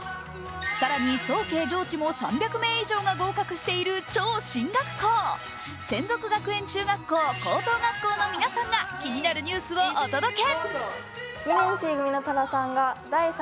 更に早慶上智も３００名以上が合格している超進学校・洗足学園高等学校の皆さんが気になるニュースをお届け。